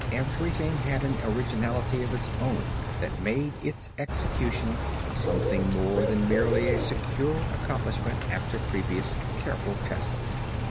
Everything had an originality of its own that made its execution something more than merely a secure accomplishment after previous careful tests.